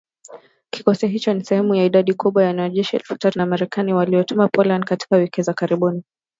Kikosi hicho ni sehemu ya idadi kubwa ya wanajeshi elfu tatu wa Marekani waliotumwa Poland katika wiki za karibuni.